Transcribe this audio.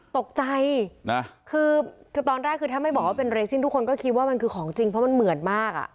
ตกใจนะคือตอนแรกคือถ้าไม่บอกว่าเป็นเรซินทุกคนก็คิดว่ามันคือของจริงเพราะมันเหมือนมากอ่ะ